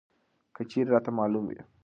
که چېرې راته معلوم وى!